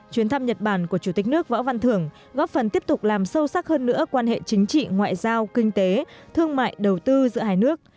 chuyến thăm nhật bản của chủ tịch nước võ văn thưởng góp phần tiếp tục làm sâu sắc hơn nữa quan hệ chính trị ngoại giao kinh tế thương mại đầu tư giữa hai nước